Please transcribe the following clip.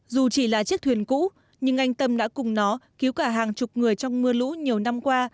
dù chỉ là chiếc thuyền cũ nhưng anh tâm đã cùng nó cứu cả hàng chục người trong mưa lũ nhiều năm qua